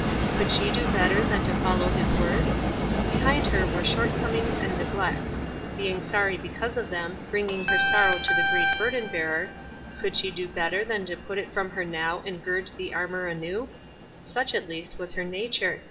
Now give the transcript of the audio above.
Could she do better than to fol low his words? Behind her were shortcomings and neglects. Being sorry because of them, bringing her sorrow to the great Burden bearer, could she do better than to put it from her now and gird on the armor anew ? Such at least was her nature.